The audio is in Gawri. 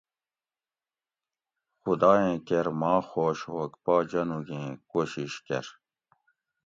خدایٔں کیر ما خوش ھوگ پا جانوگیں کوشیش کرۤ